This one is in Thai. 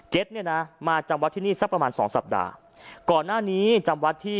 เนี่ยนะมาจำวัดที่นี่สักประมาณสองสัปดาห์ก่อนหน้านี้จำวัดที่